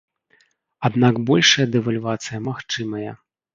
Аднак большая дэвальвацыя магчымая.